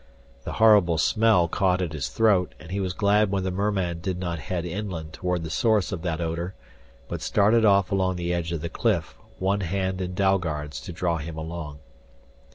The horrible smell caught at his throat, and he was glad when the merman did not head inland toward the source of that odor, but started off along the edge of the cliff, one hand in Dalgard's to draw him along.